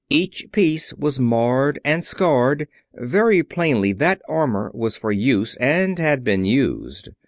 Each piece was marred and scarred; very plainly that armor was for use and had been used.